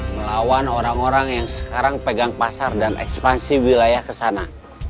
melawan orang orang yang sekarang pegang pasar dan ekspansi wilayah ke sana